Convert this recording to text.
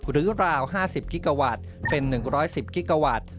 ราว๕๐กิกาวัตต์เป็น๑๑๐กิกาวัตต์